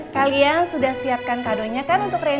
kalian sudah siapkan kadonya kan untuk reza